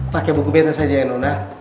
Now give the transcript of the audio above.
pakai buku beta saja ya nona